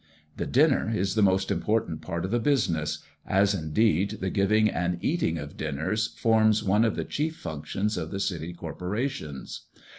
The dinner is the most important part of the business, as, indeed, the giving and eating of dinners forms one of the chief functions of the City corporations.